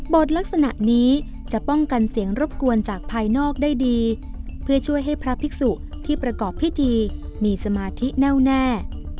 ลักษณะนี้จะป้องกันเสียงรบกวนจากภายนอกได้ดีเพื่อช่วยให้พระภิกษุที่ประกอบพิธีมีสมาธิแน่วแน่